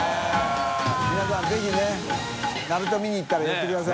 Г気ぜひね鳴門見に行ったら寄ってください。